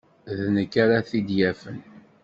D nekk ara t-id-yafen.